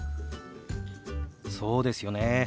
そうですよねえ。